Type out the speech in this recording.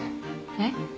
えっ。